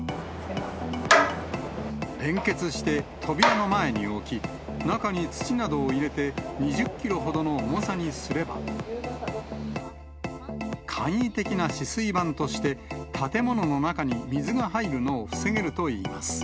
連結して扉の前に置き、中に土などを入れて、２０キロほどの重さにすれば、簡易的な止水板として、建物の中に水が入るのを防げるといいます。